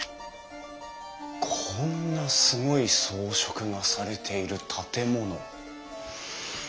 こんなすごい装飾がされている建物。